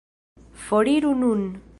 Foriru nun.